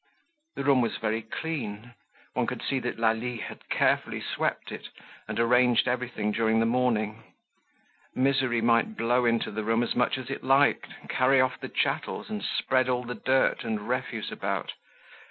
The room was very clean. One could see that Lalie had carefully swept it, and arranged everything during the morning. Misery might blow into the room as much as it liked, carry off the chattels and spread all the dirt and refuse about.